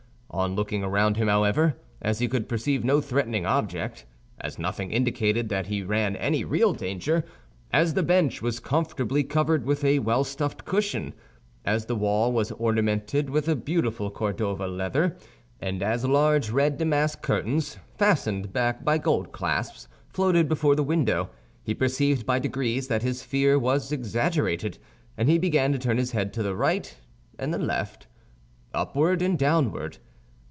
On looking around him, however, as he could perceive no threatening object, as nothing indicated that he ran any real danger, as the bench was comfortably covered with a well stuffed cushion, as the wall was ornamented with a beautiful Cordova leather, and as large red damask curtains, fastened back by gold clasps, floated before the window, he perceived by degrees that his fear was exaggerated, and he began to turn his head to the right and the left, upward and downward.